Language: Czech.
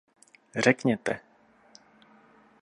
Řekněte!